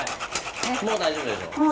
もう大丈夫でしょう。